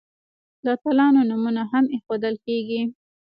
د اتلانو نومونه هم ایښودل کیږي.